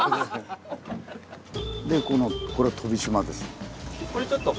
でこのこれ飛島です。